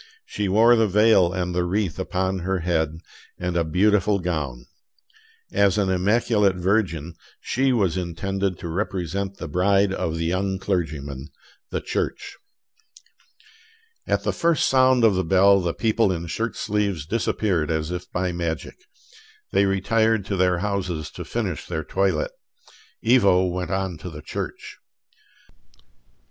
She wore the veil and the wreath upon her head, and a beautiful gown. As an immaculate virgin, she was intended to represent the bride of the young clergyman, the Church. At the first sound of the bell the people in shirt sleeves disappeared as if by magic. They retired to their houses to finish their toilet: Ivo went on to the church.